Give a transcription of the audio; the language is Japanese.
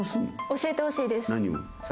教えてほしいです。